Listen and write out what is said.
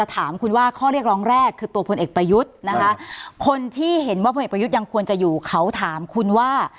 ตามคุณว่าข้อเรียกร้องแรกคือตัวผลเอกประยุทธ์คนที่เห็นว่าผลเอกประตาขึ้นอยู่เขาถามคุณว่า